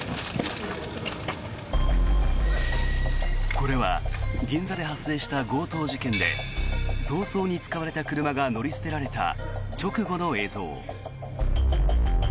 これは銀座で発生した強盗事件で逃走に使われた車が乗り捨てられた直後の映像。